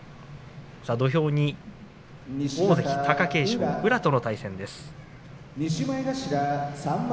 土俵に大関貴景勝宇良との対戦です。